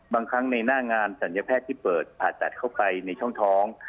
บางครั้งในหน้างานศัลยแพทย์ที่เปิดผ่าตัดเข้าไปในช่องท้อง